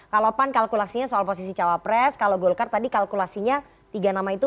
kalau pan kalkulasinya soal posisi cawapres kalau golkar tadi kalkulasinya tiga nama itu